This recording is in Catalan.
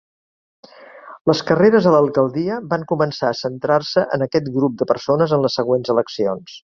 Les carreres a l'alcaldia van començar a centrar-se en aquest grup de persones en les següents eleccions.